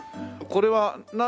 これは。